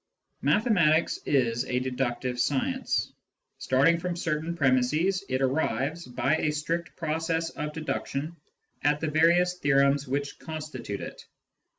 Mathematics is a deductive science : starting from certain ^ premisses, it arrives, by a strict process of deduction, at the various theorems which constitute it.